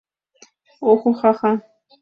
Охо-хо-ха!